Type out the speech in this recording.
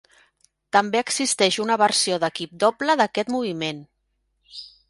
També existeix una versió d'equip doble d'aquest moviment.